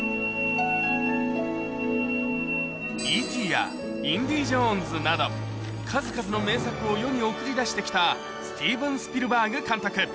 Ｅ．Ｔ．やインディ・ジョーンズなど、数々の名作を世に送り出してきたスティーブン・スピルバーグ監督。